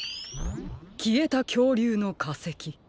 きえたきょうりゅうのかせき。